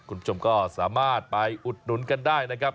คุณผู้ชมก็สามารถไปอุดหนุนกันได้นะครับ